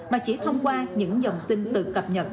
mà chỉ thông qua những dòng tin tự cập nhật